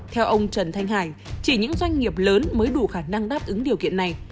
theo ông trần thanh hải chỉ những doanh nghiệp lớn mới đủ khả năng đáp ứng điều kiện này